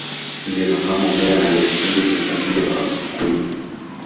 Zifahamu mila na desturi za kabila la wasukuma